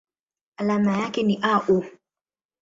Alama yake ni Au.